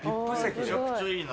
めちゃくちゃいいな。